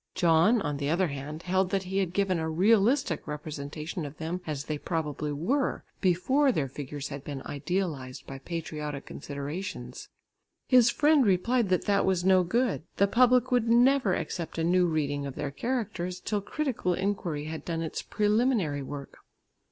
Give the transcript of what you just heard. John, on the other hand, held that he had given a realistic representation of them as they probably were, before their figures had been idealised by patriotic considerations. His friend replied that that was no good; the public would never accept a new reading of their characters till critical inquiry had done its preliminary work.